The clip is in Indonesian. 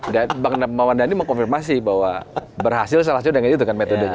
dan pak mawandani mau konfirmasi bahwa berhasil salah satu dengan itu kan metodenya